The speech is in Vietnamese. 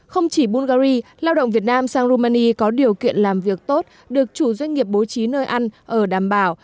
không chỉ bulgari lao động việt nam sang rumani có điều kiện làm việc tốt được chủ doanh nghiệp bố trí nơi ăn ở đảm bảo